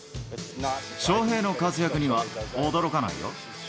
翔平の活躍には驚かないよ。